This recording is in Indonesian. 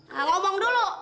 kalau omong dulu